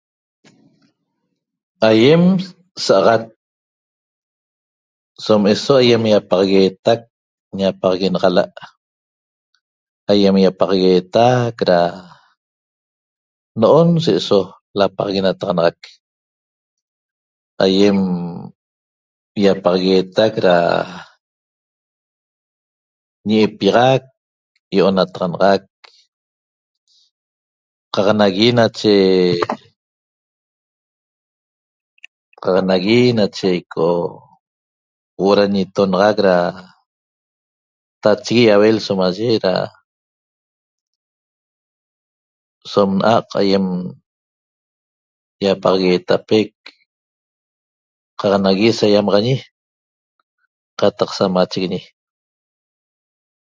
Aiem saxat som eso aiem iapaxaguetac ñapaxaguenaxala' aiem iapaxaguetac ra no'on se'eso lapaxaguenataxanaxac aiem iapaxaguetac ra ñi'ipiaxac io'onataxanaxac qaq nagui nache qaq nagui nache ico huo'o ra ñetonaxac ra tachigui iauel so na'aq aiem iapaxagueta'apec qaq nagui saiamaxañi qataq samachiguiñi